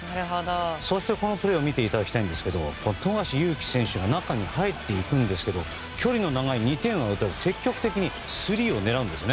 そして、このプレーを見ていただきたいんですが富樫勇樹選手が中に入っていくんですけど２点を打たず積極的にスリーを打つんです。